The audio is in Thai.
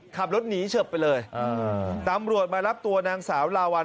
ขับรถหนีเฉิบไปเลยตำรวจมารับตัวนางสาวลาวัล